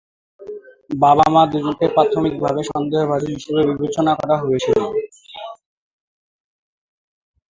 বাবা-মা দুজনকেই প্রাথমিকভাবে সন্দেহভাজন হিসেবে বিবেচনা করা হয়েছিল।